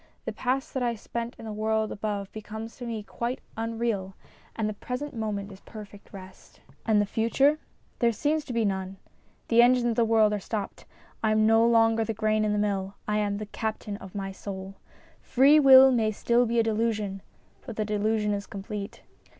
The past that I spent in the world above becomes to me quite unreal, and the present moment is perfect rest. And the future ? There seems to be none. The engines of the world are stopped : I am no longer the grain in the mill, I am " the captain of my soul." Free will may still be a delusion, but the delusion is complete.